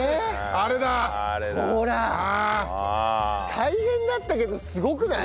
大変だったけどすごくない？